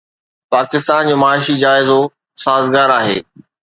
پاڪستان جو معاشي جائزو سازگار آهي